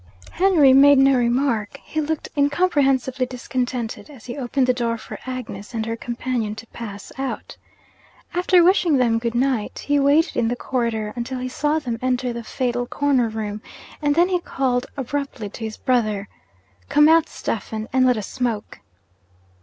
Henry made no remark; he looked incomprehensibly discontented as he opened the door for Agnes and her companion to pass out. After wishing them good night, he waited in the corridor until he saw them enter the fatal corner room and then he called abruptly to his brother, 'Come out, Stephen, and let us smoke!'